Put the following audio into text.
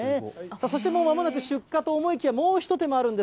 そしてもう間もなく出荷と思いきや、もう一手間あるんです。